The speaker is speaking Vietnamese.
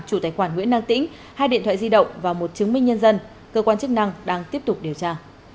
chủ tài khoản nguyễn năng tĩnh hai điện thoại di động và một chứng minh nhân dân cơ quan chức năng đang tiếp tục điều tra